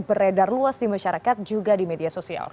beredar luas di masyarakat juga di media sosial